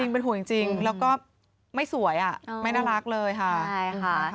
เป็นห่วงจริงแล้วก็ไม่สวยไม่น่ารักเลยค่ะ